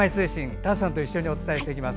丹さんと一緒にお伝えしていきます。